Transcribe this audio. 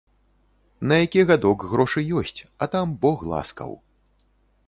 На які гадок грошы ёсць, а там бог ласкаў.